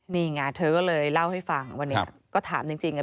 นี่ไงเธอก็เลยเล่าให้ฟังวันนี้ก็ถามจริง